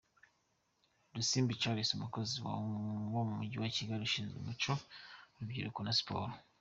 Rusimbi Charles umukozi mu mujyi wa Kigali ushinzwe umuco, urubyiruko na siporo .